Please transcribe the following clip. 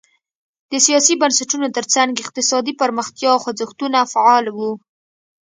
د سیاسي بنسټونو ترڅنګ اقتصادي پرمختیا خوځښتونه فعال وو.